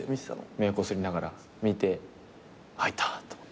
目こすりながら見て入ったと思って。